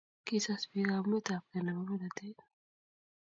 Kisas biik kaumet ab gei nebo polatet